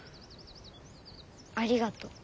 ありがとう。